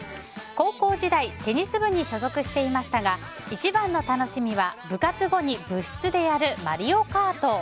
高校時代テニス部に所属していましたが一番の楽しみは部活後に部室でやる「マリオカート」。